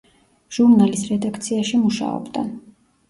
ჟურნალის რედაქციაში მუშაობდა.